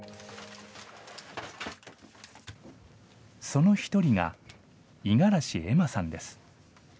その１人が五十嵐恵真さんです。